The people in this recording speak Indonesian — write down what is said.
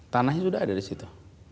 tanahnya sudah ada di situ